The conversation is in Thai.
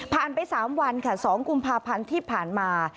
ผ่านไปสามวันค่ะสองกุมภาพันธ์ที่ผ่านมา